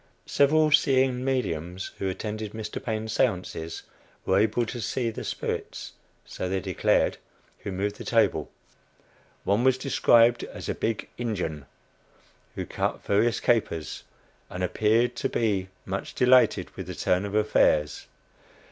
Several "seeing mediums" who attended Mr. Paine's séances, were able to see the spirits so they declared who moved the table. One was described as a "big Injun," who cut various capers, and appeared to be much delighted with the turn of affairs.